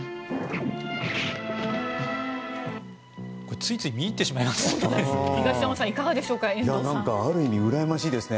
ついつい見入ってしまいますね。